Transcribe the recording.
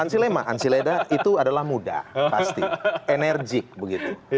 an silema an sileda itu adalah muda pasti enerjik begitu